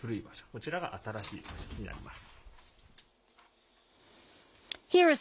こちらが新しいバージョンになります。